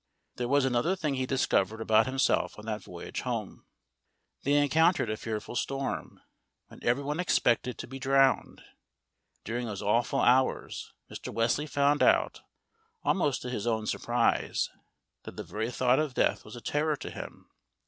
There was another thing he discovered about himself on that voyage home. They encountered a fearful storm, when every one expected to be drowned. During those awful hours Mr. Wesley found out, almost to his own surprise, that the very thought of death was a terror to him.